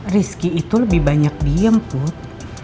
rizky itu lebih banyak diem put